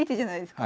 はい。